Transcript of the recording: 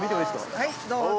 はいどうぞ。